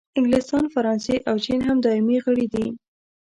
انګلستان، فرانسې او چین هم دایمي غړي دي.